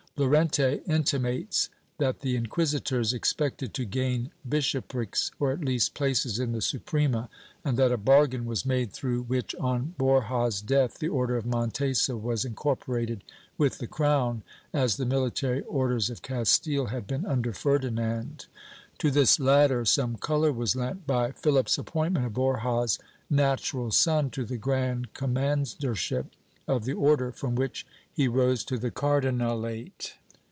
Llorente intimates that the inquisitors expected to gain bishoprics, or at least places in the Suprema, and that a bargain was made through which, on Borja's death, the Order of Montesa was incorporated with the crown, as the military Orders of Castile had been under Ferdinand; to this latter some color was lent by Phihp's appointment of Borja's natural son to the grand com mandership of the Order, from which he rose to the cardinalate.